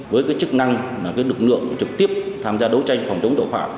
với chức năng lực lượng trực tiếp tham gia đấu tranh phòng chống tội phạm